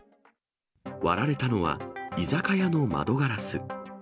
割られたのは、居酒屋の窓ガラス。